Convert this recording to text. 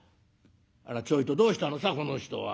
あらちょいとどうしたのさこの人は。